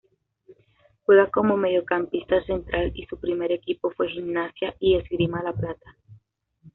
Juega como mediocampista central y su primer equipo fue Gimnasia y Esgrima La Plata.